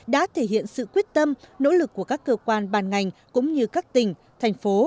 đã thể hiện sự quyết tâm nỗ lực của các cơ quan bàn ngành cũng như các tỉnh thành phố